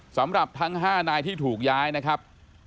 สำหรับทั้ง๕นายที่ถูกย้ายนะครับ